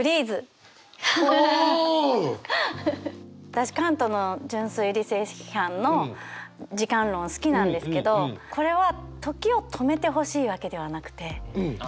私カントの「純粋理性批判」の時間論好きなんですけどこれは時を止めてほしいわけではなくて。